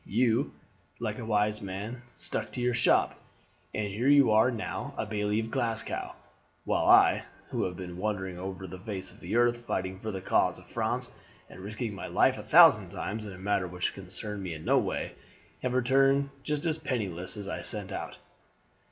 You, like a wise man, stuck to your shop, and here you are now a bailie of Glasgow; while I, who have been wandering over the face of the earth fighting for the cause of France and risking my life a thousand times in a matter which concerned me in no way, have returned just as penniless as I set out."